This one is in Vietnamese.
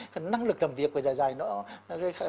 cái năng lực làm việc của dài dài nó